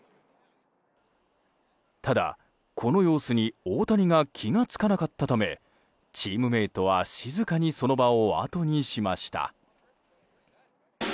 ただ、この様子に大谷が気が付かなかったためチームメートは静かにその場をあとにしました。